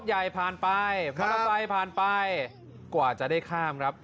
เธอเชื่อต้องไปใช้ไฟเพราะว่ามีไฟผ่านไปกว่าจะได้ข้ามครับ